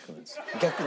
逆に。